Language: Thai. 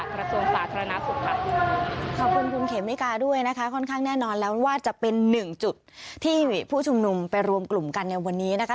ขอบคุณคุณเคขมิกาด้วยนะคะค่อนข้างแน่นอนแล้วว่าจะเป็นหนึ่งจุดที่ผู้ชุมนุมไปรวมกลุ่มกันในวันนี้นะคะ